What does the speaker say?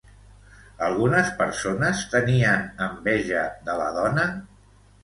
Algunes persones tenien enveja de la dona?